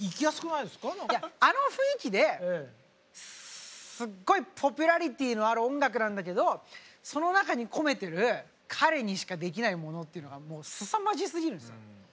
いやあの雰囲気ですごいポピュラリティーのある音楽なんだけどその中に込めてる彼にしかできないものっていうのがすさまじすぎるんですよ。